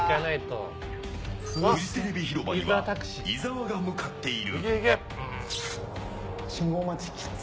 フジテレビ広場には伊沢が向っている。